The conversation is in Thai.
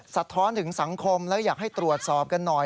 สะท้อนถึงสังคมแล้วอยากให้ตรวจสอบกันหน่อย